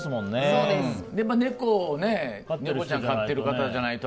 猫ちゃんを飼っている方じゃないと。